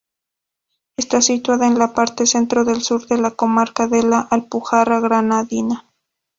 Está situada en la parte centro-sur de la comarca de la Alpujarra Granadina.